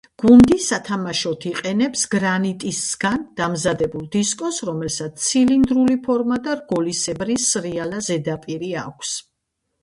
გუნდი სათამაშოდ იყენებს გრანიტისგან დამზადებულ დისკოს, რომელსაც ცილინდრული ფორმა და რგოლისებრი სრიალა ზედაპირი აქვს.